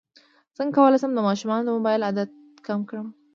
څنګه کولی شم د ماشومانو د موبایل عادت کم کړم